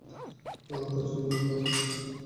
আলতা ছোনো, কাতান সারি সবই দিমু তোরে।